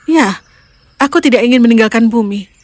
ya aku tidak ingin meninggalkan bumi